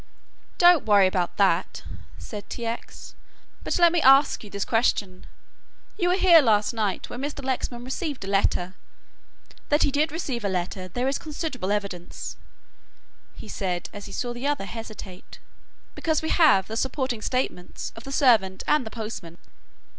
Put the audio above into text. "Don't worry about that," said T. X., "but let me ask you this question. You were here last night when Mr. Lexman received a letter. That he did receive a letter, there is considerable evidence," he said as he saw the other hesitate, "because we have the supporting statements of the servant and the postman."